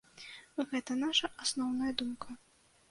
Гэта наша асноўная думка.